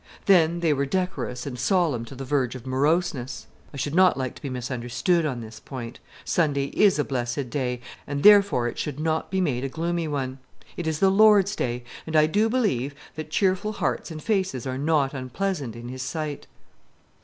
Then they were decorous and solemn to the verge of moroseness. I should not like to be misunderstood on this point. Sunday is a blessed day, and therefore it should not be made a gloomy one. It is the Lord's day, and I do believe that cheerful hearts and faces are not unpleasant in His sight.